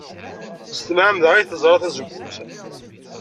S tmeɛmada ay terẓa tazewwut.